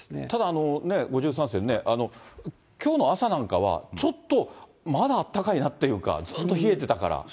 ただ、５３世ね、きょうの朝なんかは、ちょっと、まだあったかいなっていうか、ずっと冷えてたから。